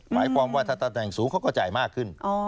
หมายความว่าถ้าตำแหน่งสูงเขาก็จ่ายมากขึ้น